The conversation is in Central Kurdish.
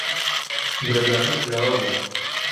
دەرگاکە کراوە بوو.